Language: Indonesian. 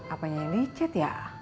apanya dicet ya